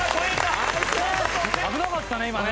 危なかったね今ね。